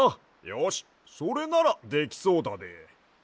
よしそれならできそうだで。